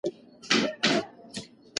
شاه محمود هوتک پر فراه باندې بريد وکړ.